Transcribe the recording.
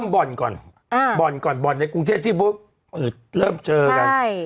บ่อนก่อนบ่อนก่อนบ่อนในกรุงเทพที่บุ๊กเริ่มเจอกัน